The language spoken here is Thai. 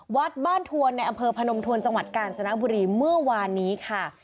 วัดบ้านทวนในอำเภอพนมทวนจังหวัดกาญจนบุรีเมื่อวานนี้ค่ะ